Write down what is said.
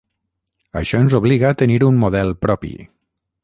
Això ens obliga a tenir un model propi.